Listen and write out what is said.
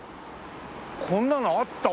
こんなのあった？